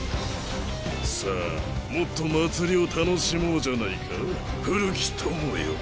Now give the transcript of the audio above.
さあもっと祭りを楽しもうじゃないか古き友よ。